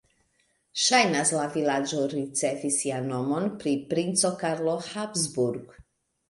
Ŝajnas, la vilaĝo ricevis sian nomon pri princo Karlo Habsburg.